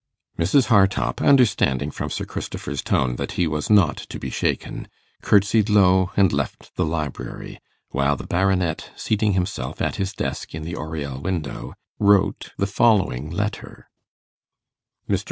Mrs. Hartopp, understanding from Sir Christopher's tone that he was not to be shaken, curtsied low and left the library, while the Baronet, seating himself at his desk in the oriel window, wrote the following letter: 'MR.